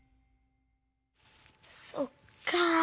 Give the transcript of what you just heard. そっか。